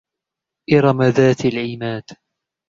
إرم ذات العماد